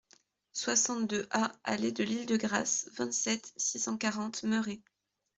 soixante-deux A allée de l'Île de Grâce, vingt-sept, six cent quarante, Merey